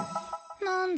なんだ。